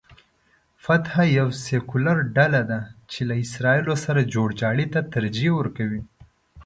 فتح یوه سیکولر ډله ده چې له اسراییلو سره جوړجاړي ته ترجیح ورکوي.